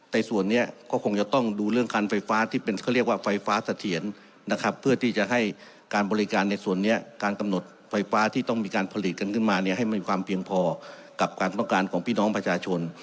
ส่วนนี้ก็คงจะต้องดูเรื่องคันไฟฟ้าที่เป็นเขาเรียกว่าไฟฟ้าเสถียรนะครับเพื่อที่จะให้การบริการในส่วนนี้การกำหนดไฟฟ้าที่ต้องมีการผลิตกันขึ้นมาเนี่ยให้มันมีความเพียงพอกับการต้องการของพี่น้องประชาชน